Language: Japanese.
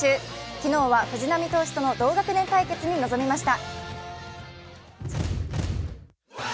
昨日は藤浪投手との同学年対決に臨みました。